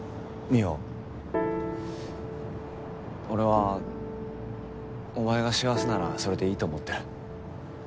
俺はお前が幸せならそれでいいと思ってる。